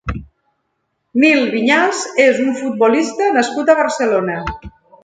Nil Vinyals és un futbolista nascut a Barcelona.